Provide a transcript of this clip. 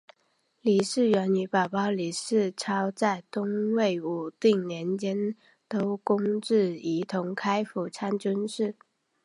李士元与弟弟李士操在东魏武定年间都官至仪同开府参军事。